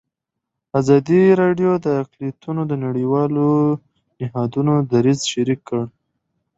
ازادي راډیو د اقلیتونه د نړیوالو نهادونو دریځ شریک کړی.